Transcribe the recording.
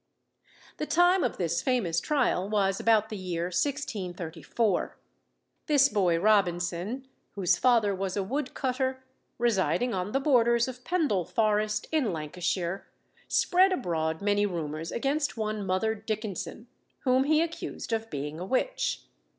The time of this famous trial was about the year 1634. This boy Robinson, whose father was a wood cutter, residing on the borders of Pendle Forest, in Lancashire, spread abroad many rumours against one Mother Dickenson, whom he accused of being a witch.